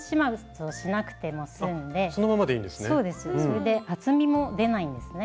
そのままでいいんですね。